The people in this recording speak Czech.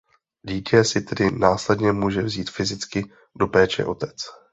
Dítě si tedy následně může vzít fyzicky do péče otec.